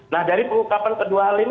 nah dari pengungkapan kedua hal ini